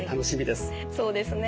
そうですね。